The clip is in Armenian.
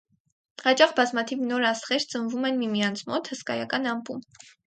Հաճախ բազմաթիվ նոր աստղեր ծնվում են միմյանց մոտ՝ հսկայական ամպում։